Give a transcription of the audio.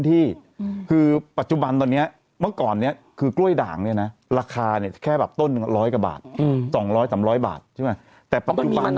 แต่ปัจจุบันนั้นนะเป็นมันนานแล้วเหรอ